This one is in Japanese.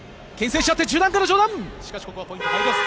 しかしここはポイント入りません。